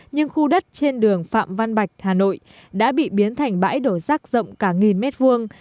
nhưng khu đất trên đường phạm văn bạch hà nội đã bị biến thành bãi đổ rác rộng cả nghìn mét vuông